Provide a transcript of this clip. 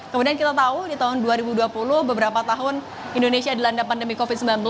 kemudian kita tahu di tahun dua ribu dua puluh beberapa tahun indonesia dilanda pandemi covid sembilan belas